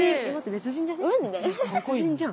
別人じゃん。